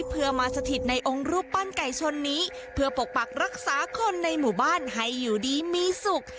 เพื่อมาสถิตในองค์รูปปั้นไก่ชนนี้เพื่อปกปักรักษาคนในหมู่บ้านให้อยู่ดีมีสุข